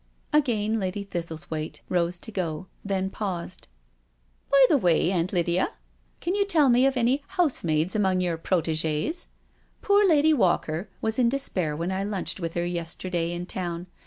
Again Lady Thistlethwaite rose to go, then paused: " By the way. Aunt Lydia, can you tell me of any housemaids among your proiigies* Poor Lady Walker was in despair when I lunched with them yesterday in Town.